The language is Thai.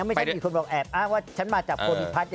ไม่ใช่ด้วยคนบอกแอบโพมอีพัท